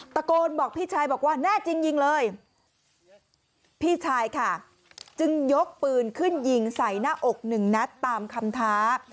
ตะโกนบอกพี่ชายบอกว่าแน่จริงยิงเลยพี่ชายค่ะจึงยกปืนขึ้นยิงใส่หน้าอกหนึ่งนัดตามคำท้า